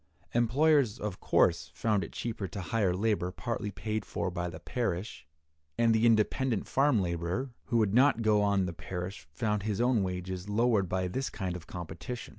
Employers, of course, found it cheaper to hire labor partly paid for by the parish, and the independent farm laborer who would not go on the parish found his own wages lowered by this kind of competition.